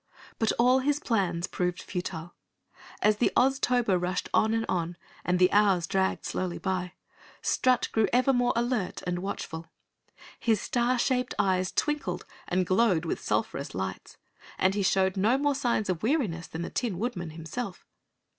But all his plans proved futile. As the Oztober rushed on and on, and the hours dragged slowly by, Strut grew even more alert and watchful. His star shaped eyes twinkled and glowed with sulphurous lights and he showed no more signs of weariness than the Tin Woodman himself.